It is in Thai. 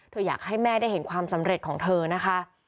อยากให้แม่ได้เห็นความสำเร็จของเธอนะคะ